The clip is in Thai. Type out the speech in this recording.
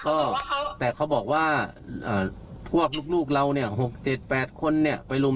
กลับภัยเพราะว่าเมียเขาอาจจะพูดว่าเมียเขาจบ